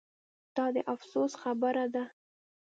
دا د افسوس خبره ده